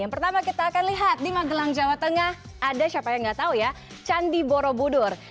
yang pertama kita akan lihat di magelang jawa tengah ada siapa yang nggak tahu ya candi borobudur